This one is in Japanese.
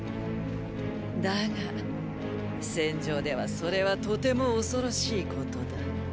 だが戦場ではそれはとても恐ろしいことだ。